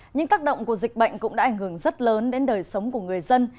nhưng tác động của dịch bệnh cũng đã ảnh hưởng rất lớn đến đời sống của người dân